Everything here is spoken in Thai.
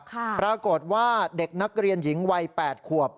ปรากฏว่าเด็กนักเรียนหญิงวัย๘ขวบ